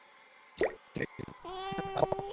ঠিক আছে, তুমি সিনেমার শুরুটা দেখ, আমি পপকর্ন নিয়ে আসছি।